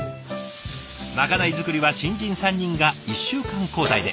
まかない作りは新人３人が１週間交代で。